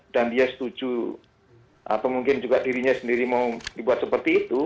dan dia setuju atau mungkin juga dirinya sendiri mau dibuat seperti itu